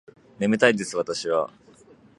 眠たいです私は